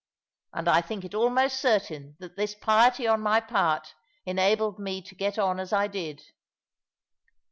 And I think it almost certain that this piety on my part enabled me to get on as I did.